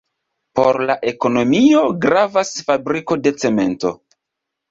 Por la ekonomio gravas fabriko de cemento.